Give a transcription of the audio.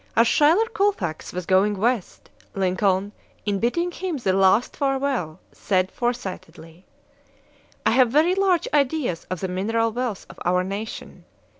As Schuyler Colfax was going West, Lincoln, in bidding him the last farewell, said foresightedly: "I have very large ideas of the mineral wealth of our nation.